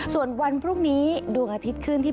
ส่วนวันพรุ่งนี้ดวงอาทิตย์ขึ้นที่